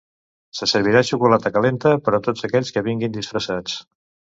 Se servirà xocolata calenta per a tots aquells que vinguin disfressats.